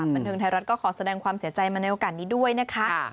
บันเทิงไทยรัฐก็ขอแสดงความเสียใจมาในโอกาสนี้ด้วยนะคะ